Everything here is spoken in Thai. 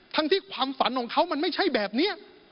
ทั้งที่ความฝันของเขามันไม่ใช่แบบนี้